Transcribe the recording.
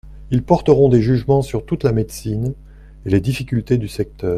Ils porteront des jugements sur toute la médecine et les difficultés du secteur.